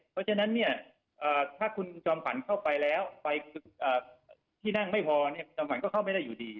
เพราะฉะนั้นเนี่ยถ้าคุณจอมขวัญเข้าไปแล้วไปที่นั่งไม่พอเนี่ยคุณจอมขวัญก็เข้าไม่ได้อยู่ดี